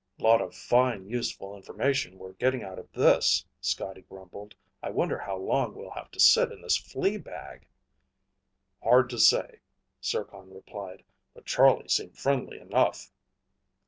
"Lot of fine, useful information we're getting out of this," Scotty grumbled. "I wonder how long we'll have to sit in this flea bag?" "Hard to say," Zircon replied. "But Charlie seemed friendly enough."